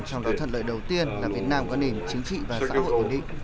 trong đó thật lợi đầu tiên là việt nam có nền chính trị và xã hội ổn định